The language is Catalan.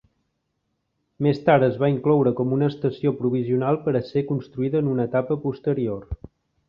Més tard es va incloure com una estació provisional per a ser construïda en una etapa posterior.